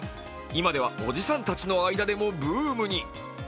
今ではおじさんたちの間でもブームに。